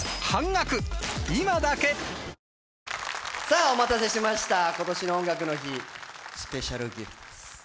あお待たせしました今年の「音楽の日」、スペシャルＧＩＦＴです。